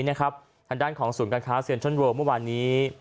ทางด้านของส่วนการค้าเซียนชนโรปเมื่อวันนี้